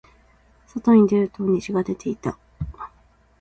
外に出ると虹が出ていた。